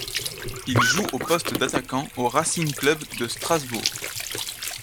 Il joue au poste d'attaquant au Racing club de Strasbourg.